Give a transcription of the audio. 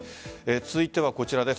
続いてはこちらです。